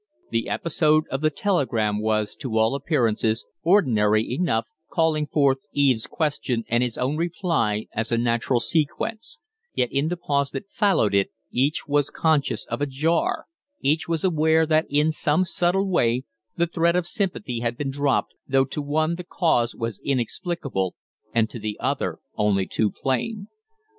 The episode of the telegram was, to all appearances, ordinary enough, calling forth Eve's question and his own reply as a natural sequence; yet in the pause that followed it each was conscious of a jar, each was aware that in some subtle way the thread of sympathy had been dropped, though to one the cause was inexplicable and to the other only too plain.